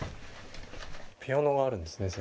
ピアノがあるんですね先生ね。